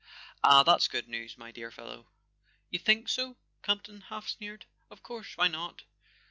"Ah, that's good news, my dear fellow!" "You think so?" Campton half sneered. "Of course—why not?